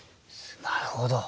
なるほど。